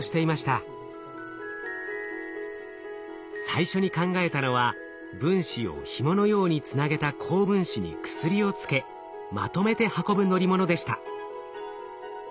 最初に考えたのは分子をひものようにつなげた高分子に薬をつけまとめて運ぶ乗り物でした。